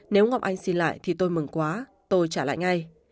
nếu ngọc anh xin lại thì tôi mừng quá tôi trả lại ngay